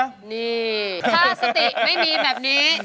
นี่ถ้าสติไม่มีแบบนี้